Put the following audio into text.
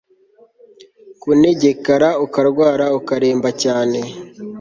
kunegekara kurwara ukaremba cyane